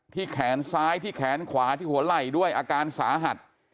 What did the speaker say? แขนซ้ายที่แขนขวาที่หัวไหล่ด้วยอาการสาหัส